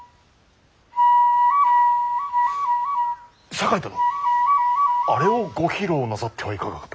酒井殿あれをご披露なさってはいかがか。